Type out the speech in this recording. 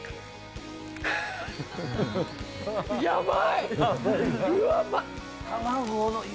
やばい！